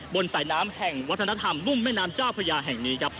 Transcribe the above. บนสายน้ำแห่งวัฒนธรรมรุ่มแม่น้ำเจ้าพญาแห่งนี้ครับ